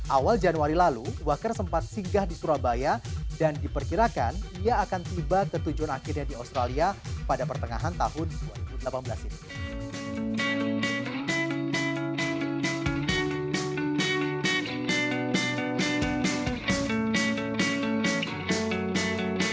awal januari lalu waker sempat singgah di surabaya dan diperkirakan ia akan tiba ke tujuan akhirnya di australia pada pertengahan tahun dua ribu delapan belas ini